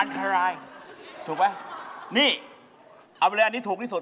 ครับแล้ว